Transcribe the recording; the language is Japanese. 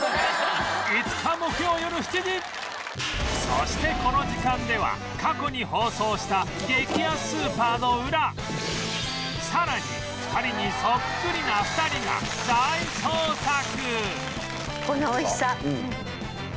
そしてこの時間では過去に放送したさらに２人にそっくりな２人が大捜索